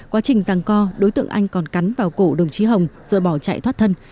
quá trình giảng co đối tượng anh còn cắn vào cổ đồng chí hồng rồi bỏ chạy thoát thân